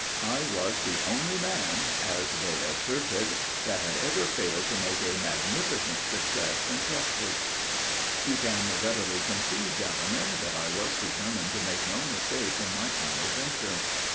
I was the only man, as they asserted, 'that had ever failed to make a magnificent success in Texas.' "You can readily conceive, gentlemen, that I was determined to make no mistake in my final venture.